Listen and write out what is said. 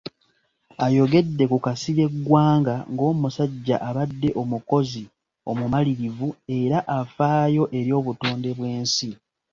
Ayogedde ku Kasirye Ggwanga ng'omusajja abadde omukozi, omumalirivu era afaayo eri obutonde bw'ensi.